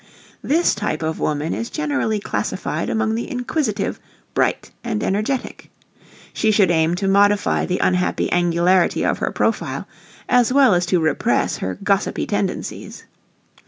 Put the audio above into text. This type of woman is generally classified among the inquisitive, bright, and energetic. She should aim to modify the unhappy angularity of her profile as well as to repress her gossipy tendencies.